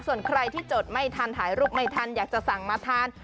ส่วนใครที่จดไม่ทันถ่ายรูปไม่ทันอยากจะสั่งมาทาน